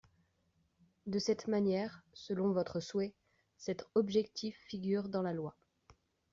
De cette manière, selon votre souhait, cet objectif figure dans la loi.